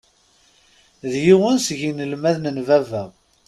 D yiwen seg inelmaden n baba.